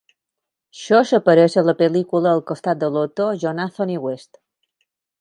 Schoch apareix a la pel·lícula al costat de l'autor John Anthony West.